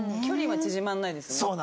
距離は縮まんないですよね。